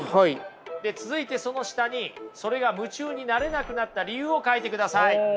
で続いてその下にそれが夢中になれなくなった理由を書いてください。